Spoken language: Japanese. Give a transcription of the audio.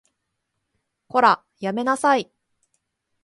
こら、やめなさい